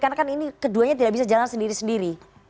karena kan ini keduanya tidak bisa jalan sendiri sendiri